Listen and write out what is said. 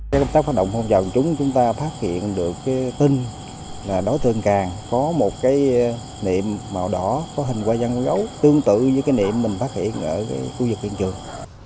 các công tác phát động phòng trọng chúng chúng ta phát hiện được tin là đó thường càng có một niệm màu đỏ có hình hoa văn bông gấu tương tự như niệm mình phát hiện ở khu vực viện trường